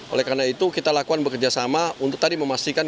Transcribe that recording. oleh karena itu kita lakukan bekerjasama untuk tadi memastikan